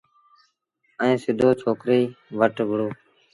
ائيٚݩ سڌو ڇوڪريٚ وٽ وُهڙو۔